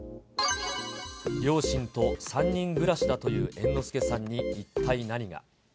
両親と３人暮らしだという猿之助さんに一体何が。